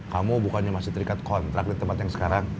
kamu bukannya masih terikat kontrak di tempat yang sekarang